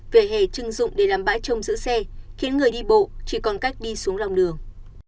về hè chưng dụng để làm bãi trông giữ xe khiến người đi bộ chỉ còn cách đi xuống lòng đường